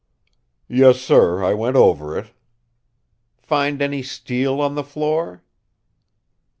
"Yes, sir; I went over it." "Find any steel on the floor?"